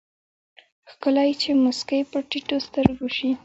ښکلے چې مسکې په ټيټو سترګو شي